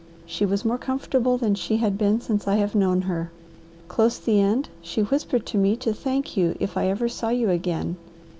She was more comfortable than she had been since I have known her. Close the end she whispered to me to thank you if I ever saw you again.